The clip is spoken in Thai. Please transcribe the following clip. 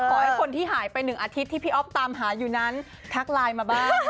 ขอให้คนที่หายไป๑อาทิตย์ที่พี่อ๊อฟตามหาอยู่นั้นทักไลน์มาบ้าง